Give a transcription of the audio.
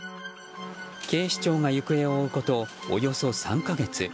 警視庁が行方を追うことおよそ３か月。